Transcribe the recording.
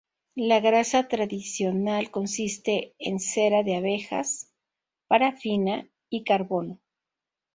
La grasa tradicional consiste en cera de abejas, parafina y carbono.